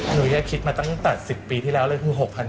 หนุ๊ยคิดมาตั้งแต่๑๐ปีที่แล้วเลยคือ๖๕๐๐บาท